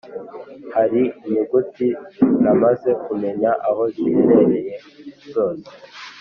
Hari inyuguti namaze kumenya aho ziherereye zose